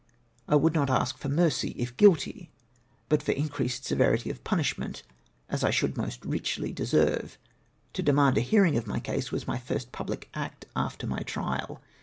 I would not ask for mercy, if guilty, but for increased severity of punishment, as I should most richly deserve. To demand a hearing of my case Avas my first public act after my trial.